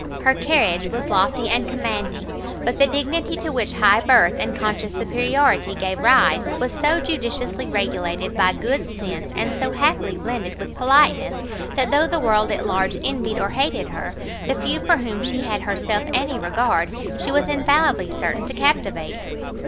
Her carriage was lofty and commanding; but the dignity to which high birth and conscious superiority gave rise, was so judiciously regulated by good sense, and so happily blended with politeness, that though the world at large envied or hated her, the few for whom she had herself any regard, she was infallibly certain to captivate.